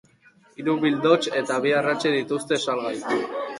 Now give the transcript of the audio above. Hiru bildots eta bi aratxe dituzte salgai.